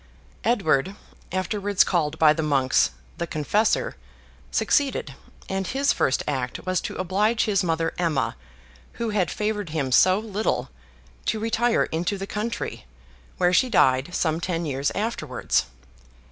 Edward, afterwards called by the monks The Confessor, succeeded; and his first act was to oblige his mother Emma, who had favoured him so little, to retire into the country; where she died some ten years afterwards.